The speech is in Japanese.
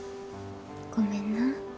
ごめんな。